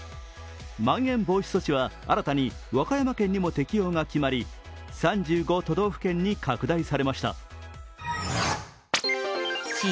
まん延防止措置は新たに和歌山県にも適用がきまり３５都道府県に拡大されました。